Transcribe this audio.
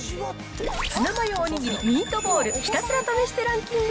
ツナマヨお握り、ミートボール、ひたすら試してランキング